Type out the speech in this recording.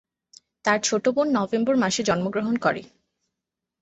তার ছোট বোন নভেম্বর মাসে জন্মগ্রহণ করে।